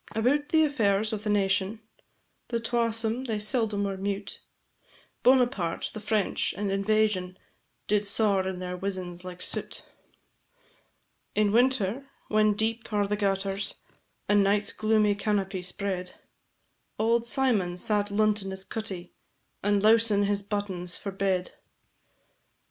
About the affairs o' the nation, The twasome they seldom were mute; Bonaparte, the French, and invasion, Did saur in their wizens like soot. In winter, when deep are the gutters, And night's gloomy canopy spread, Auld Symon sat luntin' his cuttie, And lowsin' his buttons for bed.